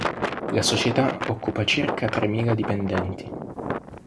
La società occupa circa tremila dipendenti.